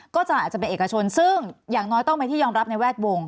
อาจจะอาจจะเป็นเอกชนซึ่งอย่างน้อยต้องเป็นที่ยอมรับในแวดวง